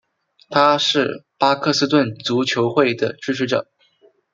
他是巴克斯顿足球会的支持者。